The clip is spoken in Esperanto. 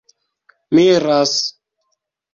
miras